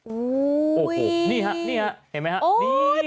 โอ้โหนี่ฮะเห็นไหมฮะนี่โอ้ววววววไปแล้ว